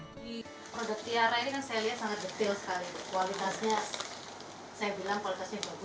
di produk tiara ini kan saya lihat sangat detail sekali kualitasnya saya bilang kualitasnya bagus